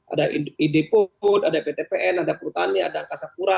ada idpot ada ptpn ada purutani ada angkasa pura